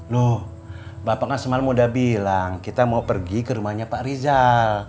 loh bapak kan semalam sudah bilang kita mau pergi ke rumahnya pak rizal